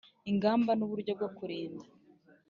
ingamba n uburyo bwo kurinda